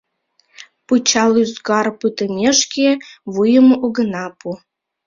Пычал ӱзгар пытымешке, вуйым огына пу.